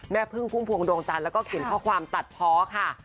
แม่พึ่งพุ่มพวงดวงจันทร์แล้วก็เขียนข้อความตัดเพาะค่ะ